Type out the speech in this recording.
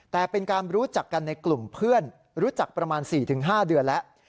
แต่เป็นการรู้จักกันในกลุ่มเพื่อนรู้จักประมาณ๔๕เดือนแล้ว